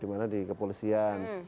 di mana di kepolisian